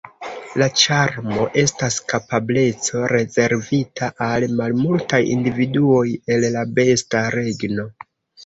La ĉarmo estas kapableco rezervita al malmultaj individuoj el la besta regno.